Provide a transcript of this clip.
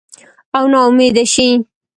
او نا امیده شي